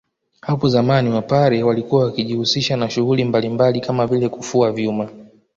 Hapo zamani wapare walikuwa wakijihusisha na shughuli mbalmbali Kama vile kufua vyuma